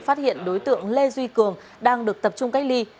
phát hiện đối tượng lê duy cường đang được tập trung cách ly